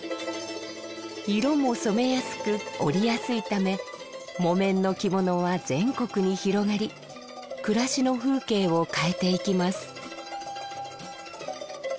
色も染めやすく織りやすいため木綿の着物は全国に広がり暮らしの風景を変えていきます。